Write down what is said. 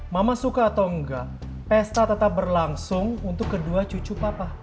mama suka atau enggak pesta tetap berlangsung untuk kedua cucu papa